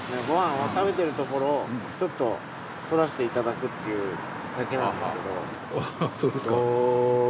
ご飯を食べてるところをちょっと撮らせていただくっていうだけなんですけど。